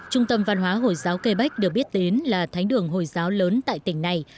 trung tâm văn hóa hồi giáo quebec được biết đến là thánh đường hồi giáo lớn tại tỉnh này